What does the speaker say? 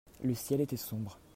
le ciel était sombre.